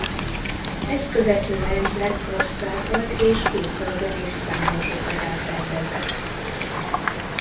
Ezt követően Lettországban és külföldön is számos operát rendezett.